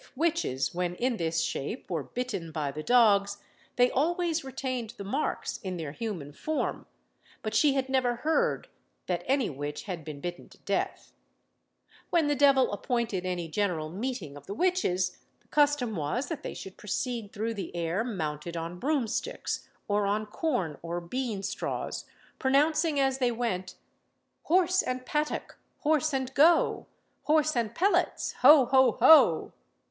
If witches, when in this shape, were bitten by the dogs, they always retained the marks in their human form; but she had never heard that any witch had been bitten to death. When the devil appointed any general meeting of the witches, the custom was that they should proceed through the air mounted on broomsticks, or on corn or bean straws, pronouncing as they went: "Horse and pattock, horse and go, Horse and pellats, ho! ho! ho!"